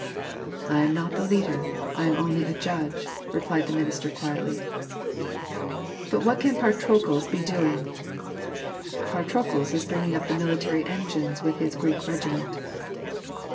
"I am not the leader, I am only a judge," replied the minister, quietly. "But what can Patrokles be doing?" "Patrokles is bringing up the military engines with his Greek regiment."